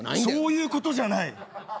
そういうことじゃない！